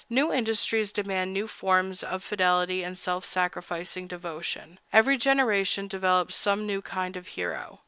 New industries demand new forms of fidelity and self sacrificing devotion. Every generation develops some new kind of hero.